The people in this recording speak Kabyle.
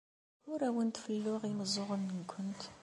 Ur awent-felluɣ imeẓẓuɣen-nwent.